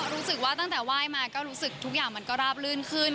รู้สึกว่าตั้งแต่ไหว้มาก็รู้สึกทุกอย่างมันก็ราบลื่นขึ้น